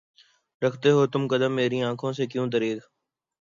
رکھتے ہو تم قدم میری آنکھوں سے کیوں دریغ؟